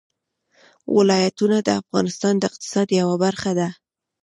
ولایتونه د افغانستان د اقتصاد یوه برخه ده.